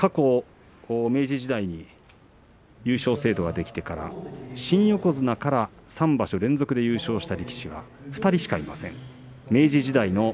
過去明治時代に優勝制度ができてから新横綱から３場所連続で優勝した力士は２人しかいません。